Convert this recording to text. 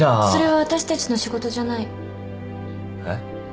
それは私たちの仕事じゃない。えっ？